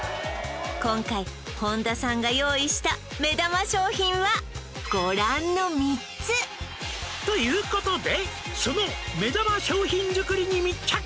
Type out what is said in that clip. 今回本田さんが用意した目玉商品はご覧の３つ「ということでその目玉商品作りに密着！」